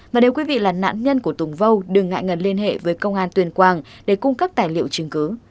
và nếu quý vị là nạn nhân của tùng vô đừng ngại ngần liên hệ với công an tuyên quang để cung cấp tài liệu chứng cứ